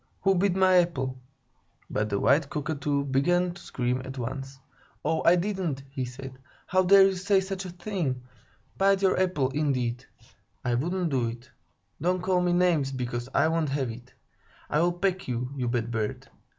Who bit my apple?" But the white Cockatoo began to scream at once. "'Oh, I didn't!" he said. "How dare you say such a thing? Bite your apple, indeed! I wouldn't do it. Don't call me names, because I won't have it. I'll peck you, you bad bird!